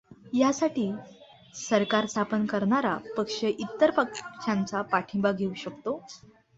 ह्यासाठी सरकार स्थापन करणारा पक्ष इतर पक्षांचा पाठिंबा घेऊ शकतो.